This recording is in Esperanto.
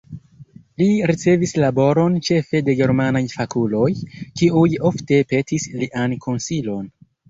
Li ricevis laboron ĉefe de germanaj fakuloj, kiuj ofte petis lian konsilon.